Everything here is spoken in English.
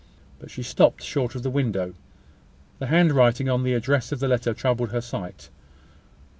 But she stopped short of the window. The handwriting on the address of the letter troubled her sight.